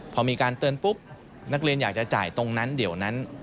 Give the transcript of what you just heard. พอมีการเตือนปุ๊บนักเรียนอยากจะจ่ายตรงนั้นเดี๋ยวนั้น